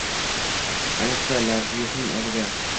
- ayniqsa lafzi yo‘qning oldida.